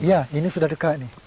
iya ini sudah dekat